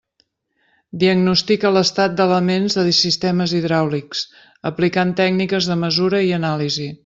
Diagnostica l'estat d'elements de sistemes hidràulics, aplicant tècniques de mesura i anàlisi.